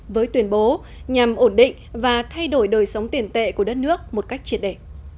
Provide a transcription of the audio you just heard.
với tuyên bố nhằm ổn định và thay đổi đời sống tiền tệ của đất nước một cách triệt đề